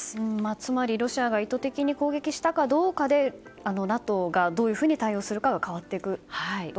つまりロシアが意図的に攻撃したかどうかでＮＡＴＯが、どういうふうに対応するかが変わっていくと。